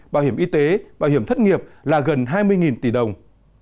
bảo hiểm y tế bảo hiểm thất nghiệp là gần hai mươi tỷ đồng